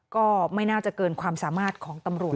ก็ไม่น่าจะเกินความสามารถของตำรวจ